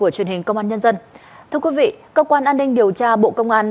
điện tập đoàn điện lực việt nam evn